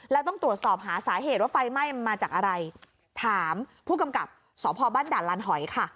แล้วต้องตรวจสอบหาสาเหตุว่าไฟไหม้มันมาจากอะไรถามผู้กำกับสพบ้านด่านลานหอยค่ะ